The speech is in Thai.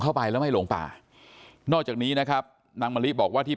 เข้าไปแล้วไม่หลงป่านอกจากนี้นะครับนางมะลิบอกว่าที่